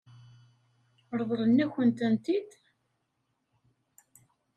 Ṛeḍlen-akent-tent-id?